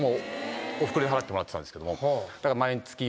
おふくろに払ってもらってたんですけども。